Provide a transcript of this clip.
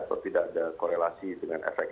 atau tidak ada korelasi dengan efek